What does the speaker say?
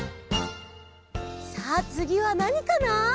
さあつぎはなにかな？